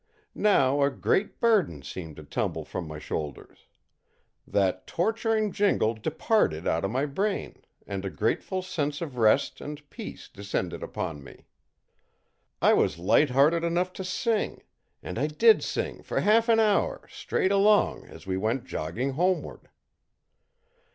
Now a great burden seemed to tumble from my shoulders. That torturing jingle departed out of my brain, and a grateful sense of rest and peace descended upon me. I was light hearted enough to sing; and I did sing for half an hour, straight along, as we went jogging homeward.